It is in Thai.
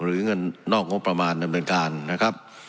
หรือเงินนอกงบประมาณดำเนินการนะครับ